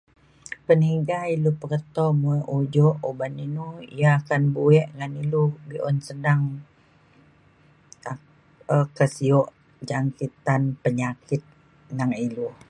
Peniga ilu peketo muek ujok uban inu ia’ akan buek ngan ilu be’un senang kak um ke sio jangkitan penyakit neng ilu.